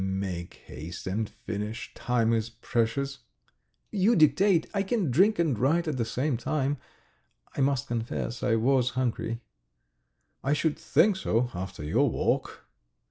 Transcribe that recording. "Make haste and finish, time is precious." "You dictate, I can drink and write at the same time. ... I must confess I was hungry." "I should think so after your walk!"